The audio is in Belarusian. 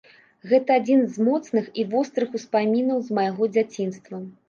Гэта адзін з моцных і вострых успамінаў з майго дзяцінства.